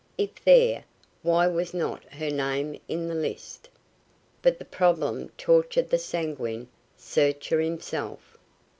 If there, why was not her name in the list? But that problem tortured the sanguine searcher himself.